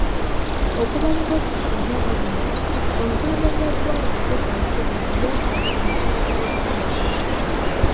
Okuva mu gw'okusatu omwaka guno, omukulembeze w'eggwanga Kaguta Museveni yaggala ensalo za Uganda zonna.